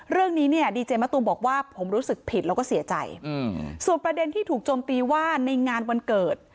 เรื่องนี้เนี่ยดีเจมะตูมบอกว่าผมรู้สึกผิดแล้วก็เสียใจส่วนประเด็นที่ถูกโจมตีว่าในงานวันเกิด